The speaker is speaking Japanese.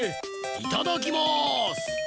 いただきます！